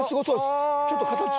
ちょっと形が。